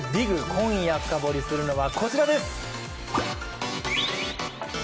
今夜深掘りするのは、こちらです。